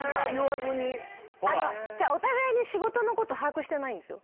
お互いに仕事のこと把握してないんですよ。